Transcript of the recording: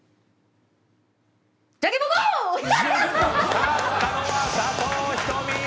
勝ったのは佐藤仁美！